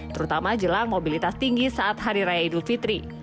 terutama jelang mobilitas tinggi saat hari raya idul fitri